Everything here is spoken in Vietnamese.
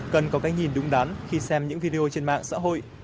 cần có cái nhìn đúng đắn khi xem những video trên mạng xã hội